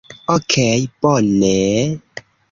Okej bone...